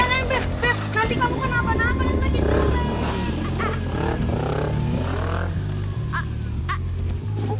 nanti kamu kenapa napa yang lagi gelap